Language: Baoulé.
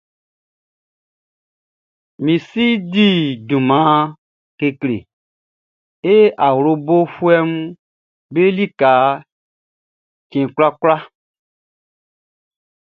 Min si di junman kekle e awlobofuɛʼm be lika cɛn kwlakwla.